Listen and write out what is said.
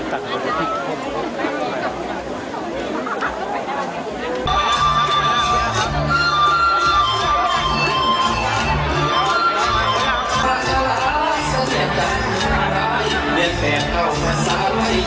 สวัสดีครับ